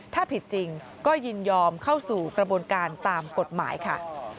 ถ้าผิดจริงก็ยินยอมเข้าสู่กระบวนการตามกฎหมายค่ะ